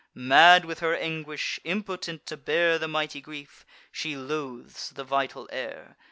Mad with her anguish, impotent to bear The mighty grief, she loathes the vital air.